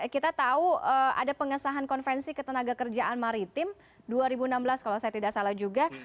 kita tahu ada pengesahan konvensi ketenaga kerjaan maritim dua ribu enam belas kalau saya tidak salah juga